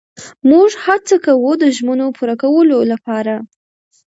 موږ هڅه کوو د ژمنو پوره کولو لپاره.